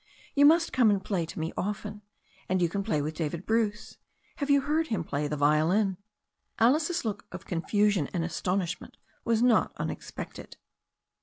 You must come and play to me often. And you can play with David Bruce. Have you heard him play the violin?" Alice's look of confusion and astonishment was not tm expected.